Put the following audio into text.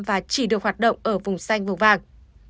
và chỉ được hoạt động ở vùng xanh vùng vàng